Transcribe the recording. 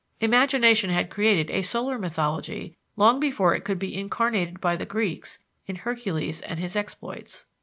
Imagination had created a solar mythology long before it could be incarnated by the Greeks in Hercules and his exploits.